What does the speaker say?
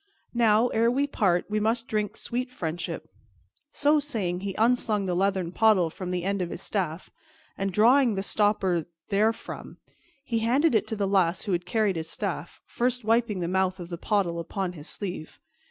Now, ere we part, we must drink sweet friendship." So saying, he unslung the leathern pottle from the end of his staff, and, drawing the stopper therefrom, he handed it to the lass who had carried his staff, first wiping the mouth of the pottle upon his sleeve.